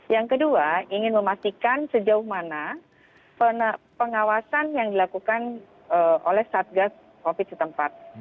yang kedua ingin memastikan sejauh mana pengawasan yang dilakukan oleh satgas covid setempat